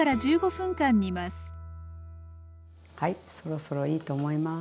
そろそろいいと思います。